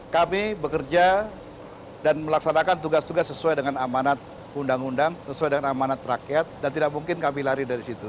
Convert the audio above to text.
kami bekerja dan melaksanakan tugas tugas sesuai dengan amanat undang undang sesuai dengan amanat rakyat dan tidak mungkin kami lari dari situ